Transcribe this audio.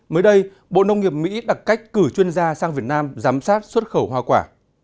mới đây bộ nông nghiệp mỹ đặt cách cử chuyên gia sang việt nam giám sát xuất khẩu hoa quả